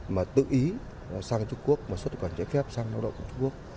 mà tự ý sang trung quốc xuất nhập cảnh trái phép sang đoàn động